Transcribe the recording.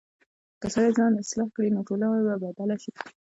که سړی ځان اصلاح کړي، نو ټولنه به بدله شي.